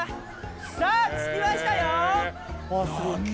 さあ着きましたよ！